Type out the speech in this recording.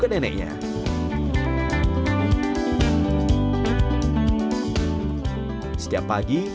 gue kita granny sekarang